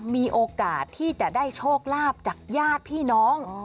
มีโอกาสที่จะได้โชคลาภจากญาติพี่น้อง